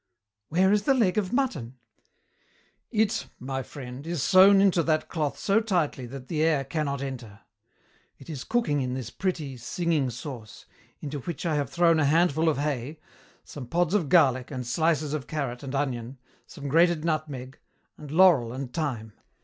"Where is the leg of mutton?" "It, my friend, is sewn into that cloth so tightly that the air cannot enter. It is cooking in this pretty, singing sauce, into which I have thrown a handful of hay, some pods of garlic and slices of carrot and onion, some grated nutmeg, and laurel and thyme.